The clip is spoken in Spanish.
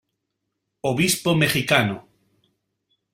Obispo mexicano.